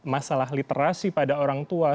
masalah literasi pada orang tua